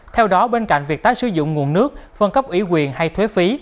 theo đó bên cạnh việc tái sử dụng nguồn nước phân cấp ủy quyền hay thuế phí